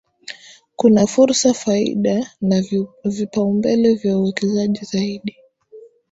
Kuna fursa faida na vipaumbele vya uwekezaji zaidi